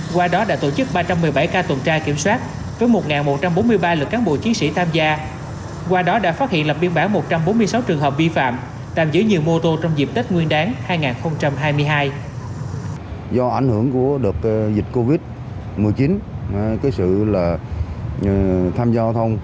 qua đó đã tổ chức ba trăm một mươi bảy ca tuần tra kiểm soát với một một trăm bốn mươi ba lực cán bộ chiến sĩ tham gia